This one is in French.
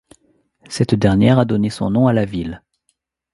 Cette dernière a donné son nom à la ville.